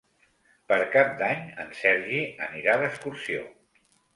Per Cap d'Any en Sergi anirà d'excursió.